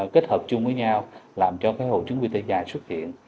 kết hợp chung với nhau làm cho hộ trứng quy tê dài xuất hiện